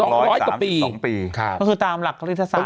๒๐๐กว่าปีก็คือตามหลักภาษาศาสตร์